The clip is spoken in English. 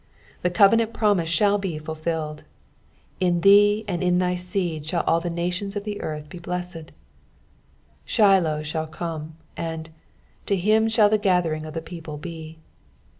The covenant promise shall be fulfilled, " In thee and in thy seed shall all the nations of the earth be blessed," Rhiloh shall come, and " to him shall the gathering of the people be."